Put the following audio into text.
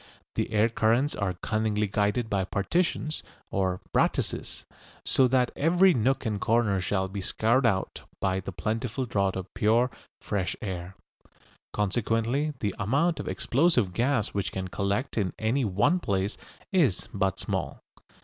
The air currents are cunningly guided by partitions or "brattices," so that every nook and corner shall be scoured out by the plentiful draught of pure fresh air. Consequently the amount of explosive gas which can collect in any one place is but small.